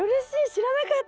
知らなかった！